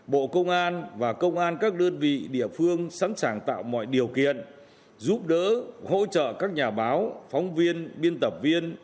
bộ công an và công an các đơn vị địa phương sẵn sàng tạo mọi điều kiện giúp đỡ hỗ trợ các nhà báo phóng viên biên tập viên